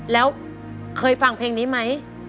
แล้วเคยฟังเพลงนี้ไหม